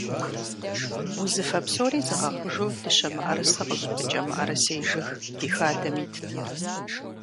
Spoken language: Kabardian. Узыфэ псори зыгъэхъужу дыщэ мыӀэрысэ къызыпыкӀэ мыӀэрысей жыг ди хадэм итт.